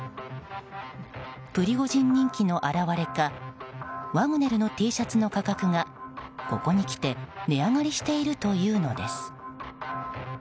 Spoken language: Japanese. プリゴジン人気の表れかワグネルのＴシャツの価格がここにきて値上がりしているというのです。